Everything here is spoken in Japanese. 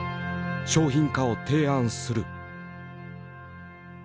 「商品化を提案する」。